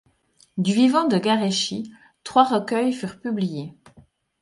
Du vivant de Guareschi, trois recueils furent publiés.